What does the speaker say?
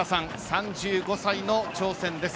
３５歳の挑戦です。